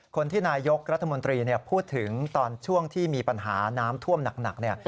คนที่นายกรัฐมนตรีพูดถึงตอนช่วงที่มีปัญหาน้ำท่วมหนัก